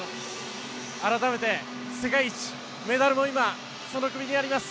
改めて世界一、メダルも今その首にあります。